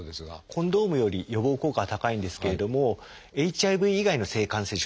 コンドームより予防効果は高いんですけれどもＨＩＶ以外の性感染症